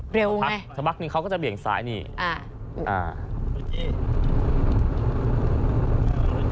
เร็วไงถ้าบั๊กนี้เขาก็จะเบี่ยงซ้ายนี่อ่าอ่า